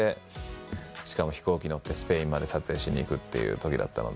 しかも飛行機乗ってスペインまで撮影しに行くっていう時だったので。